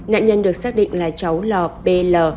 nạn nhân được xác định là cháu lò b l